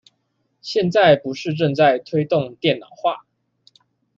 現在不是正在推動電腦化？